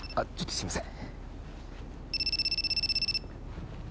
すいません。